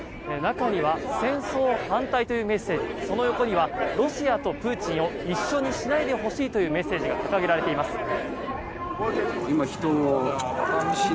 中には戦争反対というメッセージその横にはロシアとプーチンを一緒にしないでほしいというメッセージが掲げられています。